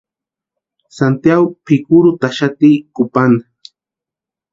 Santiagu pʼikurhutaxati kupantani.